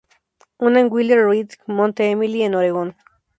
Una en Wheeler Ridge, Monte Emily en Oregon.